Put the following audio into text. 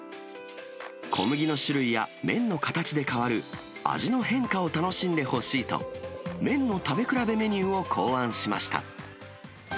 小麦の種類や麺の形で変わる味の変化を楽しんでほしいと、麺の食べ比べメニューを考案しました。